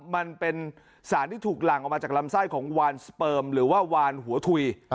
มันเป็นสารที่ถูกหลั่งออกมาจากลำไส้ของวานสเปิมหรือว่าวานหัวถุย